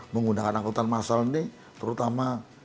menggunakan angkutan massal ini terutama